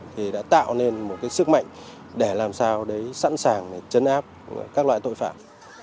thì đã tạo nên một cái sức mạnh để làm sao để sẵn sàng để chấn áp các loại tội phạm